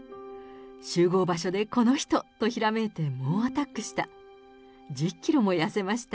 集合場所でこの人！とひらめいて、猛アタックした。